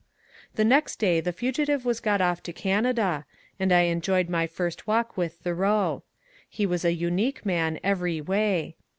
The next day the fugitive was got off to Canada, and I enjoyed my first walk with Tboreau. He was a unique man every way.